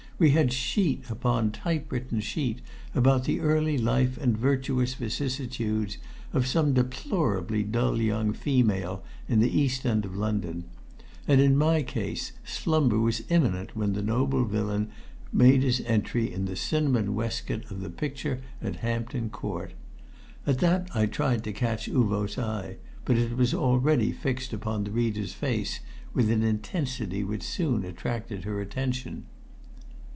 We had sheet upon typewritten sheet about the early life and virtuous vicissitudes of some deplorably dull young female in the east end of London; and in my case slumber was imminent when the noble villain made his entry in the cinnamon waistcoat of the picture at Hampton Court. At that I tried to catch Uvo's eye, but it was already fixed upon the reader's face with an intensity which soon attracted her attention.